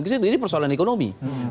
ke situ ini persoalan ekonomi